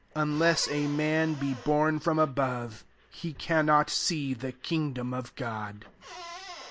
Unless a man be born from above, he cannot see the kingdom of God."